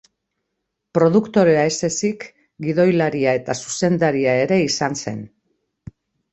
Produktorea ez ezik, gidoilaria eta zuzendaria ere izan zen.